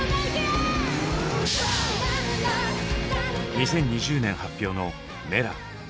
２０２０年発表の「Ｍｅｌａ！」。